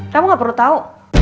kamu gak perlu tau